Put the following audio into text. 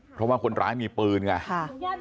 เพราะว่าคนร้ายมีปืนไง